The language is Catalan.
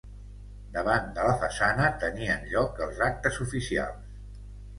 Davant de la façana tenien lloc els actes oficials.